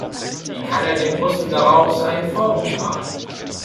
Wie kann er dem Russen daraus einen Vorwurf machen?